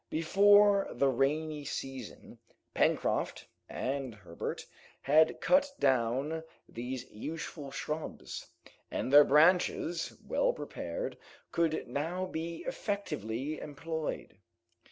Before the rainy season, Pencroft and Herbert had cut down these useful shrubs, and their branches, well prepared, could now be effectively employed.